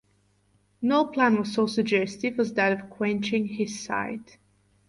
No plan was so suggestive as that of quenching his sight.